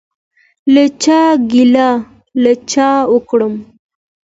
له چا ګیله له چا وکړم؟